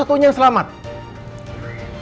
aku cuma pengen tau siapa dia